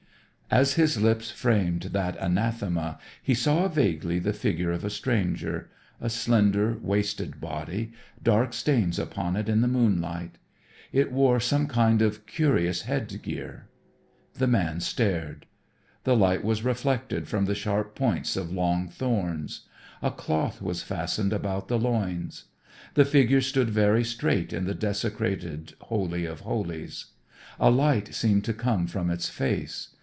As his lips framed that anathema he saw vaguely the figure of a stranger; a slender, wasted body, dark stains upon it in the moonlight. It wore some kind of curious headgear. The man stared. The light was reflected from the sharp points of long thorns. A cloth was fastened about the loins. The figure stood very straight in the desecrated Holy of Holies. A light seemed to come from its face.